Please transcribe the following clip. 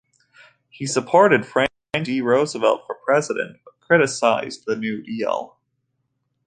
He supported Franklin D. Roosevelt for president but criticized the New Deal.